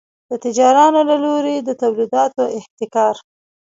د تجارانو له لوري د تولیداتو احتکار.